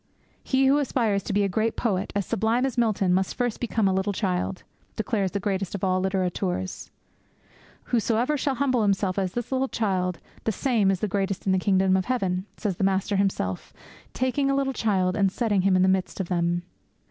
'He who aspires to be a great poet as sublime as Milton must first become a little child!' declares the greatest of all littérateurs. 'Whosoever shall humble himself as this little child, the same is greatest in the kingdom of heaven!' says the Master Himself, taking a little child and setting him in the midst of them.